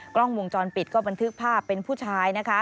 กล้องวงจรปิดก็บันทึกภาพเป็นผู้ชายนะคะ